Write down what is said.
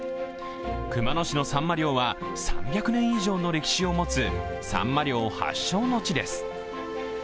熊野市のさんま漁は３００年以上の歴史を持つさんま漁発祥の地です。